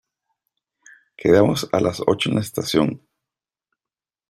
Quedamos a las ocho en la estación.